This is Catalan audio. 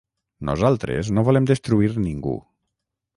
«Nosaltres no volem destruir ningú.